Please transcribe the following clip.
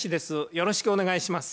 よろしくお願いします。